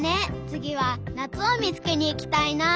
つぎはなつをみつけにいきたいな！